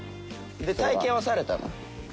で体験はされたの？